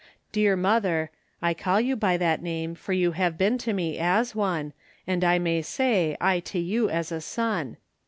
Dear mother, I call you by that name, for you have been to me as one, and I may say I to you as a son.